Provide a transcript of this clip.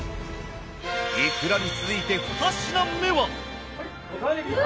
いくらに続いて２品目は？